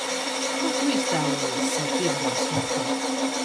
Kā Tu iztēlojies savu piektdienas vakaru?